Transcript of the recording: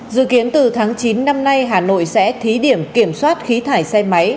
dự kiến từ tháng chín năm nay hà nội sẽ thí điểm kiểm soát khí thải xe máy